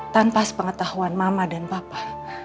tanpa sepengetahuan mama dan papa